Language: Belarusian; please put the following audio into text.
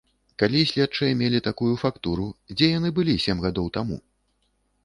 Калі следчыя мелі такую фактуру, дзе яны былі сем гадоў таму?